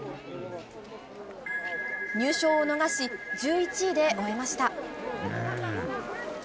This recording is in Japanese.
入賞を逃し、１１位で終えました。